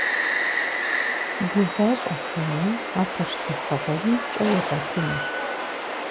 Гува щӏэхами, а пащтыхьыгъуэми кӏэ игъуэтынущ.